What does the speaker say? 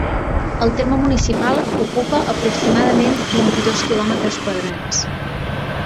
El terme municipal ocupa aproimadament vint-i-dos quilòmetres quadrats.